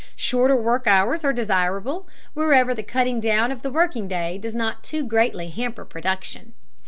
Shorter work hours are desirable, wherever the cutting down of the working day does not too greatly hamper production.